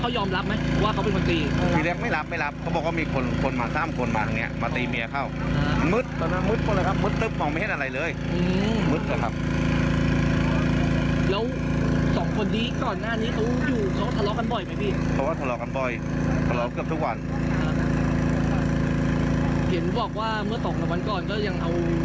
อย่าขายยากอกขายให้คนท่านเนี่ยเขาบอกน้องเศร้าเขาเล่าให้ฟัง